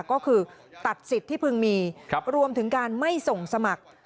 ก็คือตัดสิทธิ์ที่พึงมีรวมถึงการไม่ส่งสมัคร